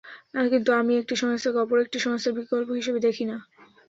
কিন্তু আমি একটি সংস্থাকে অপর একটি সংস্থার বিকল্প হিসেবে দেখি না।